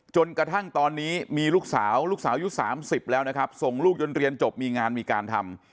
จนกระทั่งตอนนี้มีลูกสาวลูกสาวอายุ๓๐แล้วนะครับส่งลูกจนเรียนจบมีงานมีการทำ